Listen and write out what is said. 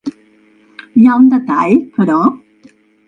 Hi ha un detall, però.